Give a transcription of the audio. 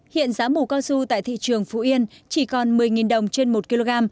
hiện giá mù cao su tại thị trường phú yên chỉ còn một mươi đồng trên một kg